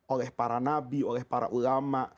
oleh para nabi oleh para ulama